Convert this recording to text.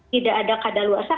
tidak ada keadaan luar sana